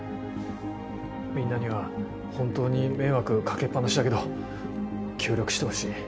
みんなには本当に迷惑掛けっ放しだけど協力してほしい。